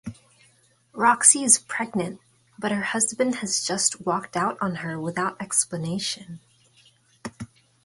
Roxy is pregnant, but her husband has just walked out on her without explanation.